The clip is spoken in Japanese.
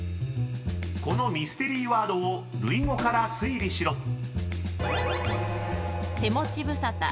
［このミステリーワードを類語から推理しろ］